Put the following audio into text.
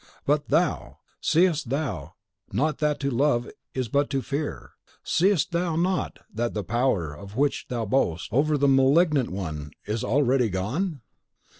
But THOU, seest thou not that to love is but to fear; seest thou not that the power of which thou boastest over the malignant one is already gone?